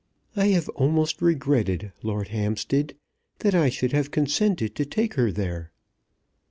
I have almost regretted, Lord Hampstead, that I should have consented to take her there."